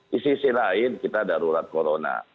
di sisi lain kita darurat corona